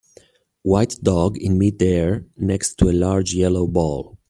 White dog in midair next to a large yellow ball.